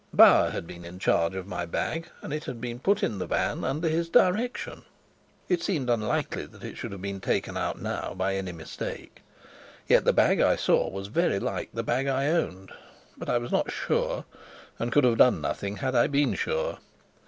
Bauer had been in charge of my bag, and it had been put in the van under his directions. It seemed unlikely that it should be taken out now by any mistake. Yet the bag I saw was very like the bag I owned. But I was not sure, and could have done nothing had I been sure.